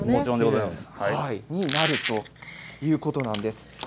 このようになるということなんです。